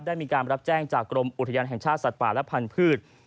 ได้รับแจ้งจากกรมอุทยานแห่งชาติสัตว์ป่าและพันธุ์